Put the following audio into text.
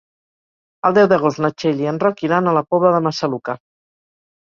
El deu d'agost na Txell i en Roc iran a la Pobla de Massaluca.